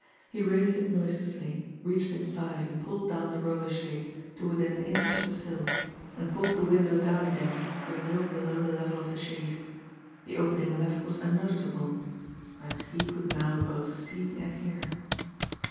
He raised it noiselessly, reached inside and pulled down the roller shade to within an inch of the sill, and pulled the window down again to a little below the level of the shade. The opening left was unnoticeable but he could now both see and hear.